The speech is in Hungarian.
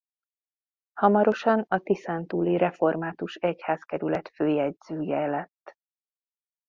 Hamarosan a tiszántúli református egyházkerület főjegyzője lett.